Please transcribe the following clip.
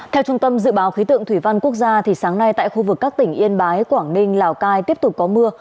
theo trung tâm dự báo khí tượng thủy văn quốc gia sáng nay tại khu vực các tỉnh yên bái quảng ninh lào cai tiếp tục có mưa